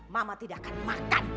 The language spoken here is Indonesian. mama tidak akan makan